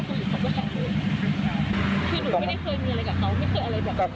สำคัญหรือเปล่า